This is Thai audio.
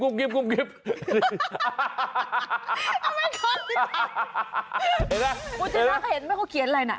อูจินักเห็นไม่เขาเขียนอะไรนะ